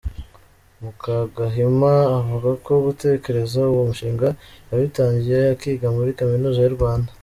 Mukagahima avuga ko gutekereza uwo mushinga yabitangiye akiga muri Kaminuza y’u Rwanda.